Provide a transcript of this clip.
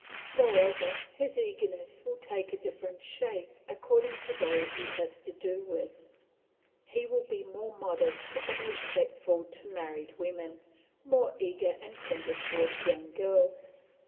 Moreover, his eagerness will take a different shape according to those he has to do with. He will be more modest and respectful to married women, more eager and tender towards young girls.